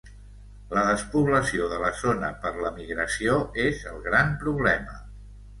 La despoblació de la zona per l’emigració és el gran problema.